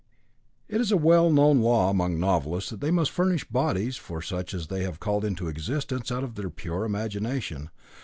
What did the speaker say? It is a well known law among novelists that they must furnish bodies for such as they have called into existence out of their pure imagination.